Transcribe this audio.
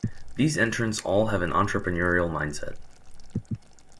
These entrants all have an entrepreneurial mindset.